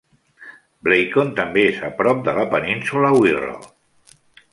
Blacon també és a prop de la península Wirral.